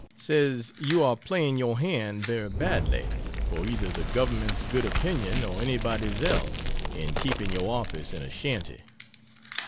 Says you are playing your hand very badly, for either the Government's good opinion or anybody's else, in keeping your office in a shanty.